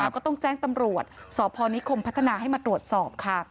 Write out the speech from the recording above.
ก็ต้องแจ้งตำรวจสพนิคมพัฒนาให้มาตรวจสอบค่ะ